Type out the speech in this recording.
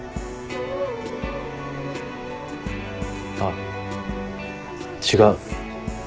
あっ違う。